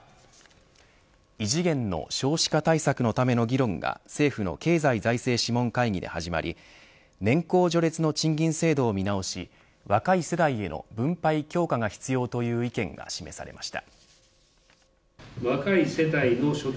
異次元の少子化対策のための議論が政府の経済財政諮問会議で始まり年功序列の賃金制度を見直し若い世代への分配強化が必要という意見が示されました。